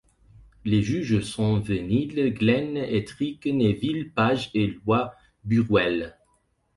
Les juges sont Ve Neill, Glenn Hetrick, Neville Page et Lois Burwell.